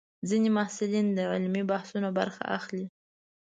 ځینې محصلین د علمي بحثونو برخه اخلي.